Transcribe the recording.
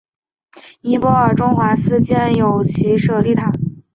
尼泊尔中华寺建有其舍利塔。